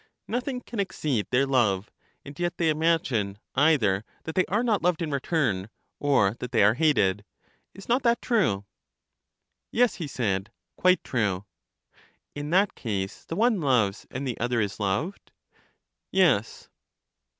Nothing can exceed their love; and yet they imagine either that they are not loved in return, or that they are hated. Is not that true? Yes, he said, quite true. In that case, the one loves, and the other is loved ? Yes.